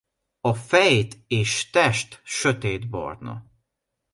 A fejt és test sötétbarna.